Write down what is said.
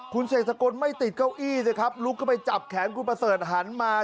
คุณเสกสกลไม่ติดเก้าอี้สิครับลุกเข้าไปจับแขนคุณประเสริฐหันมา